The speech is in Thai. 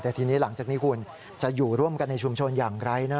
แต่ทีนี้หลังจากนี้คุณจะอยู่ร่วมกันในชุมชนอย่างไรนะ